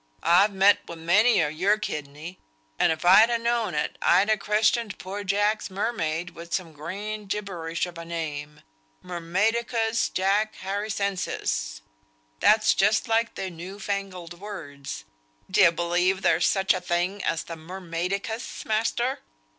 I've met wi' many o' your kidney; and if I'd ha' known it, I'd ha' christened poor Jack's mermaid wi' some grand gibberish of a name. Mermaidicus Jack Harrisensis; that's just like their new fangled words. D'ye believe there's such a thing as the Mermaidicus, master?"